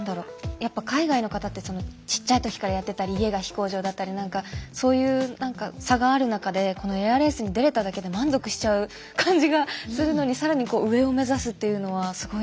やっぱ海外の方ってちっちゃい時からやってたり家が飛行場だったりなんかそういう差がある中でこのエアレースに出れただけで満足しちゃう感じがするのに更に上を目指すっていうのはすごいなと思いました。